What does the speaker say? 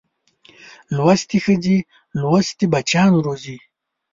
لوستې ښځې لوستي بچیان روزي